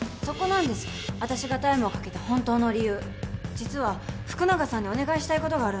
実は福永さんにお願いしたいことがあるんです。